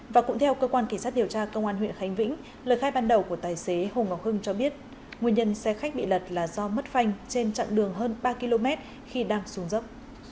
và cũng theo cơ quan kỳ sát điều tra công an huyện khánh vĩnh lời khai ban đầu của tài xế hùng ngọc hưng cho biết nguyên nhân xe khách bị lật là do mất phanh trên chặng đường hơn ba km khi đang xuống dốc